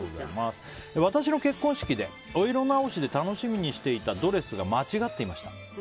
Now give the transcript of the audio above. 私の結婚式で、お色直しで楽しみにしていたドレスが間違っていました。